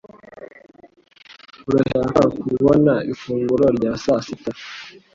Urashaka kubona ifunguro rya sasita?